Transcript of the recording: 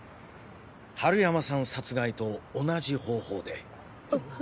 春山さん殺害と同じ方法で。